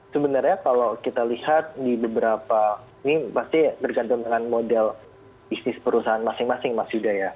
sebenarnya kalau kita lihat di beberapa ini pasti bergantung dengan model bisnis perusahaan masing masing mas yuda ya